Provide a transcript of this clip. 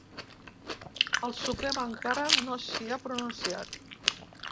El Suprem encara no s’hi ha pronunciat.